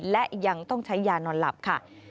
และยังต้องใช้ยานอนหลับค่ะ